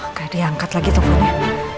gak ada yang angkat lagi teleponnya